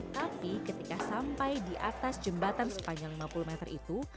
tapi ketika sampai di atas jembatan sepanjang lima puluh meter itu